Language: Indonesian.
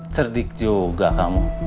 cerdik juga kamu